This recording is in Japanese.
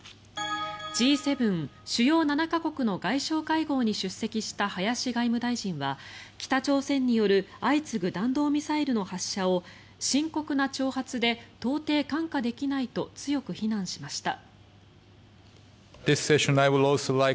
Ｇ７・主要７か国の外相会合に出席した林外務大臣は北朝鮮による相次ぐ弾道ミサイルの発射を深刻な挑発で到底看過できないと強く非難しました。